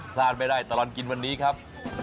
พลาดไม่ได้ตลอดกินวันนี้ครับ